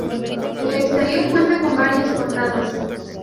El exterior cuenta con varias portadas.